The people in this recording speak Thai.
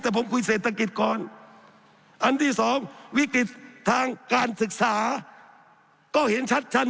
แต่ผมคุยเศรษฐกิจก่อนอันที่สองวิกฤติทางการศึกษาก็เห็นชัด